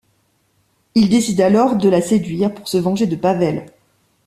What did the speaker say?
Il décide alors de la séduire pour se venger de Pavel.